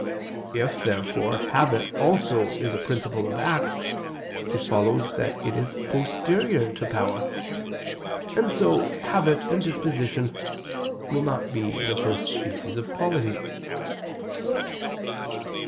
If therefore, habit also is a principle of act, it follows that it is posterior to power. And so habit and disposition will not be the first species of quality.